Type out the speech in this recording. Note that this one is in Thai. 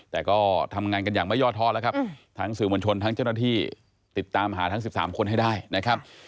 แต่ก็ทำงานกันอย่างไม่ย่อท้อแล้วครับทั้งสื่อมวลชนทั้งเจ้าหน้าที่ติดตามหาทั้ง๑๓คนให้ได้นะครับ